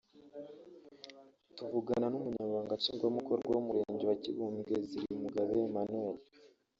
tuvugana n’umunyamabanga nshingwabikorwa w’umurenge wa Kibumbwe Zigirumugabe Emmanuel